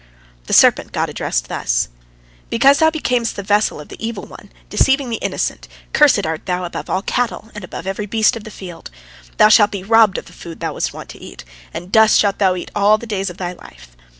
" The serpent God addressed thus: "Because thou becamest the vessel of the Evil One, deceiving the innocent, cursed art thou above all cattle and above every beast of the field. Thou shalt be robbed of the food thou wast wont to eat, and dust shalt thou eat all the days of thy life.